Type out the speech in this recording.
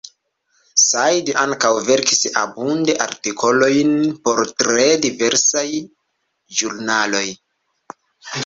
Said ankaŭ verkis abunde artikolojn por tre diversaj ĵurnaloj.